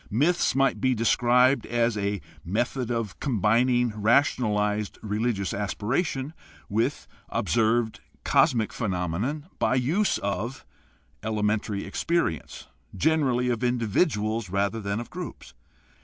Myths might be described as a method of combining rationalized religious aspiration with observed cosmic phenomena by the use of elementary experience, generally of individuals rather than of groups.